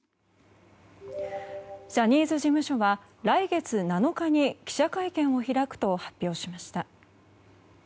ジャニーズ事務所は来月７日に記者会見を開くと発表しました。